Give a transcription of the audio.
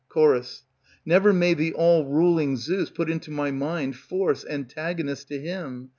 Ch. Never may the all ruling Zeus put into my mind Force antagonist to him.